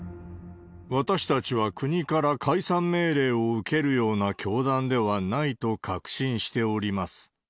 私たちは国から解散命令を受けるような教団ではないと確信しております。